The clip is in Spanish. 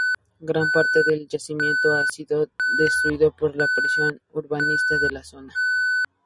Gran parte del yacimiento ha sido destruido por la presión urbanística de la zona.